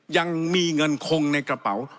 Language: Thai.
ยังมีเงินคงในกระเป๋า